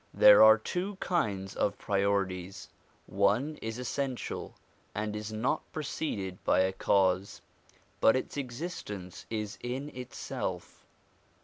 There are two kinds of priorities : one is essential, and is not preceded by a cause, but its existence is in itself.